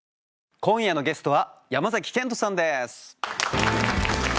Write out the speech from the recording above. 今夜のゲストは山賢人さんです。